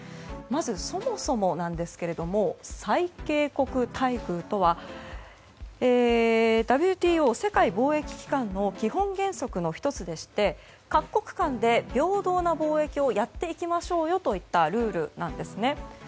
そもそもなんですが最恵国待遇とはＷＴＯ・世界貿易機関の基本原則の１つでして各国間で平等な貿易をやっていきましょうよといったルールなんですね。